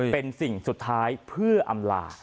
เป็นสิ่งสุดท้ายเพื่ออำลา